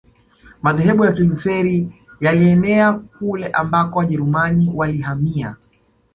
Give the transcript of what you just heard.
Madhehebu ya Kilutheri yalienea kule ambako Wajerumani walihamia